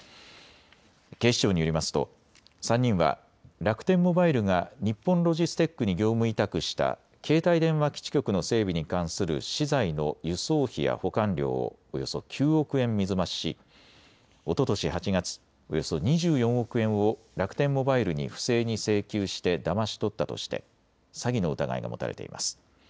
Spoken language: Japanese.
警視庁によりますと３人は楽天モバイルが日本ロジステックに業務委託した携帯電話基地局の整備に関する資材の輸送費や保管料をおよそ９億円水増ししおととし８月、およそ２４億円を楽天モバイルに不正に請求してだまし取ったとして詐欺の疑いが持たれています。